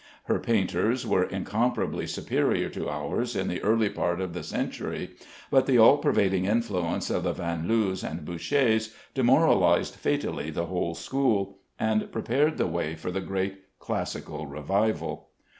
Her painters were incomparably superior to ours in the early part of the century, but the all pervading influence of the Vanloos and Bouchers demoralized fatally the whole school, and prepared the way for the great classical revival.